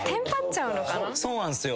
そうなんすよ。